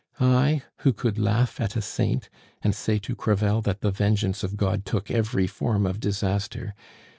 I, who could laugh at a saint, and say to Crevel that the vengeance of God took every form of disaster.